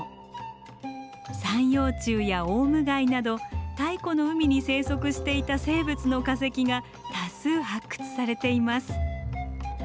三葉虫やオウム貝など太古の海に生息していた生物の化石が多数発掘されています。